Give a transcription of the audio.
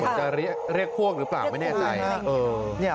จะเรียกพวกหรือเปล่าไม่แน่ใจ